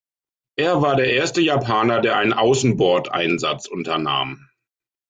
Er war der erste Japaner, der einen Außenbordeinsatz unternahm.